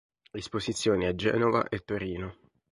Esposizioni a Genova e Torino.